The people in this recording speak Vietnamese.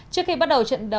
trước khi bắt đầu trận đấu